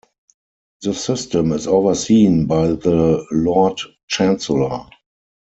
The system is overseen by the Lord Chancellor.